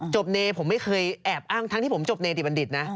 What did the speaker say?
เนผมไม่เคยแอบอ้างทั้งที่ผมจบเนดิบัณฑิตนะ